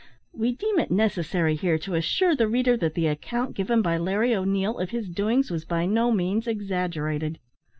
We deem it necessary here to assure the reader that the account given by Larry O'Neil of his doings was by no means exaggerated.